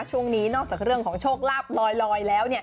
ช่วงนี้นอกจากเรื่องของโชคลาภลอยแล้วเนี่ย